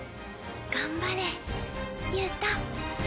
頑張れ憂太。